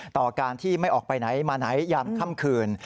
ต่อการที่ไม่ออกไปไหนมาไหนยามค่ำคืน